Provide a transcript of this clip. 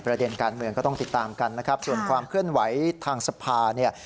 ประเด็นการเมืองก็ต้องติดตามกันนะครับส่วนความเคลื่อนไหวทางสภาเนี่ย